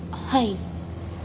はい。